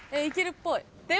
いけるっぽい。